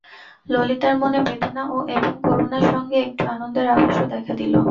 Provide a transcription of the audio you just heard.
ললিতার মনে বেদনা এবং করুণার সঙ্গে একটু আনন্দের আভাসও দেখা দিল।